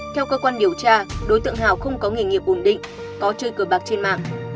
theo cơ quan điều tra đối tượng hào không có nghề nghiệp ổn định có chơi cờ bạc trên mạng